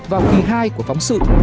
vào kỳ hai của phóng sự